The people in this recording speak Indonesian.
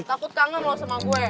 takut kangen lo sama gue